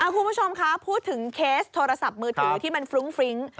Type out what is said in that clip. คุณผู้ชมคะพูดถึงเคสโทรศัพท์มือถือที่มันฟรุ้งฟริ้ง